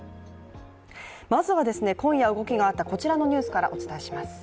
まずは今夜動きがあった、こちらのニュースからお伝えします。